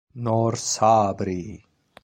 Noor Sabri